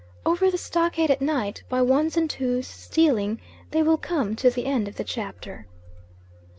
Over the stockade at night, by ones and twos, stealing, they will come to the end of the chapter.